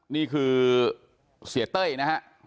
นี่คือเสียเต้ยนะฮะ